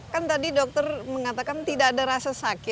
kan tadi dokter mengatakan tidak ada rasa sakit